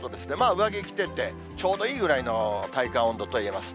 上着を着てて、ちょうどいいぐらいの体感温度といえます。